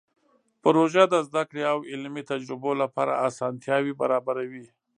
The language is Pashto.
پروژه د زده کړې او علمي تجربو لپاره اسانتیاوې برابروي.